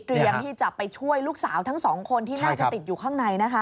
ที่จะไปช่วยลูกสาวทั้งสองคนที่น่าจะติดอยู่ข้างในนะคะ